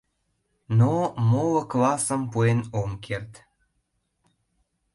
Но... моло классым пуэн ом керт.